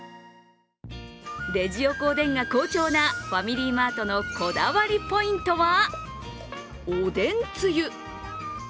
レジ横おでんが好調なファミリーマートのこだわりポイントは、おでんつゆ。